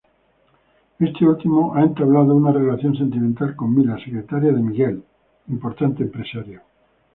Este último ha entablado una relación sentimental con Mila, secretaria de Miguel, importante empresario.